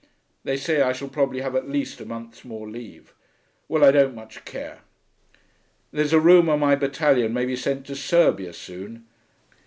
They say I shall probably have at least a month's more leave.... Well, I don't much care.... There's a rumour my battalion may be sent to Serbia soon.